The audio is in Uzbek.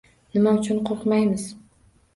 Nima uchun qo'rqmaymiz?